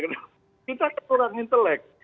kita kekurangan intelek